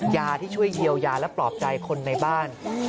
ยาที่ช่วยเยียวยาและปลอบใจคนในบ้าน